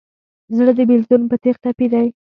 زړه د بېلتون په تیغ ټپي دی.